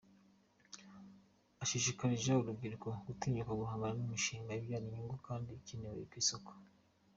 Ashishikarije urubyiruko gutinyuka guhanga imishinga ibyara inyungu kandi ikenewe ku isoko.